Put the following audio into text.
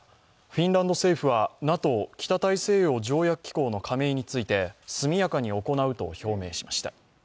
フィンランド政府はＮＡＴＯ＝北大西洋条約機構の加盟について速やかに行うと表明しました。